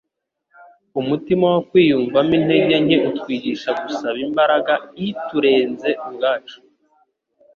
umutima wo kwiyumvamo intege nke utwigisha gusaba imbaraga iturenze ubwacu.